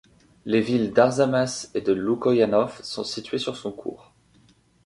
Les villes d'Arzamas et de Loukoïanov sont situées sur son cours.